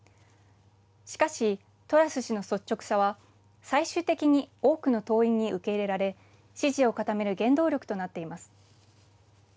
しかし、トラス氏の率直さは最終的に多くの党員に受け入れられ支持を固める原動力となっています。